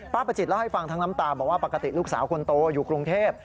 ประจิตเล่าให้ฟังทั้งน้ำตาบอกว่าปกติลูกสาวคนโตอยู่กรุงเทพ